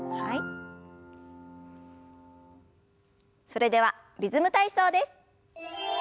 それでは「リズム体操」です。